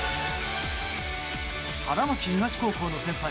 花巻東高校の先輩